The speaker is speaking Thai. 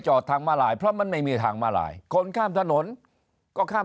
ทางมาลายเพราะมันไม่มีทางมาลายคนข้ามถนนก็ข้าม